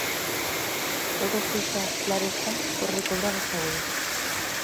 Todo sexa, claro está, por recobrar a saúde.